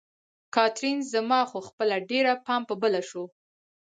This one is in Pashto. کاترین: زما خو خپله ډېر پام په بله شو.